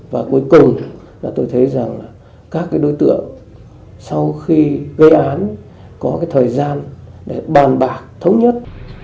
và cuối cùng tôi thấy rằng các đối tượng sau khi gây án có thời gian để bàn bạc thống nhất